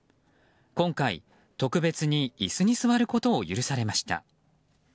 今回、特別に椅子に座ることを許されました。